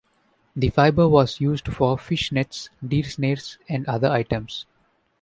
The fiber was used for fish nets, deer snares and other items.